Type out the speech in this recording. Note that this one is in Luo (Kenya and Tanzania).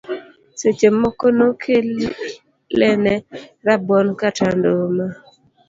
Seche moko nokele ne rabuon kata nduma.